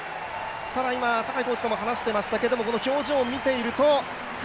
ただ今、坂井コーチとも話していましたけど、この表情見ていると？